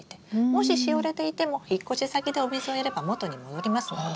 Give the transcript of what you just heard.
もししおれていても引っ越し先でお水をやれば元に戻りますので。